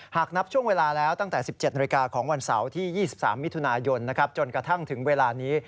หากนับช่วงเวลาแล้วตั้งแต่๑๗นาฬิกาของวันเสาร์ที่๒๓มิถุนายนจนกระทั่งถึงเวลานี้